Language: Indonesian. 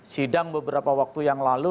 sidang beberapa waktu yang lalu